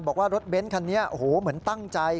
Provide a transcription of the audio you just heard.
บอกว่ารถเบนส์คันนี้เหมือนตั้งใจ